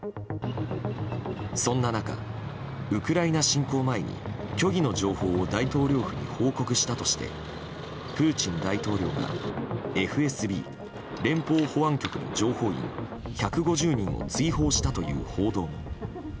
そんな中、ウクライナ侵攻前に虚偽の情報を大統領府に報告したとしてプーチン大統領がＦＳＢ・連邦保安局の情報員１５０人を追放したという報道も。